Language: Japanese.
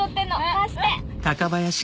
貸して！